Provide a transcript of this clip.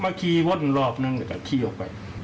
เมื่อกี้วนรอบนึงไว้จะที่ออกไป